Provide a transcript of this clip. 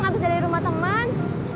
abis dari rumah teman